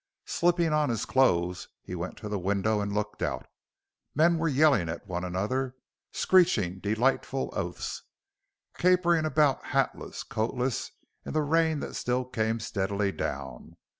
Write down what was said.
Slipping on his clothes he went to the window and looked out. Men were yelling at one another, screeching delightful oaths, capering about hatless, coatless, in the rain that still came steadily down.